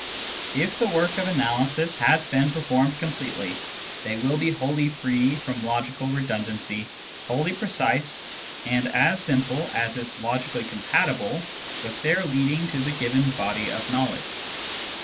If the work of analysis has been performed completely, they will be wholly free from logical redundancy, wholly precise, and as simple as is logically compatible with their leading to the given body of knowledge.